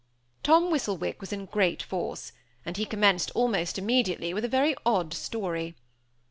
Tom Whistlewick was in great force; and he commenced almost immediately with a very odd story.